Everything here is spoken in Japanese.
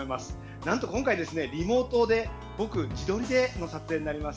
なんと今回、リモートで僕、自撮りでの撮影になります。